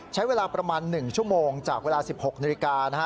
ใช้เวลาประมาณ๑ชั่วโมงจากเวลา๑๖นาฬิกานะฮะ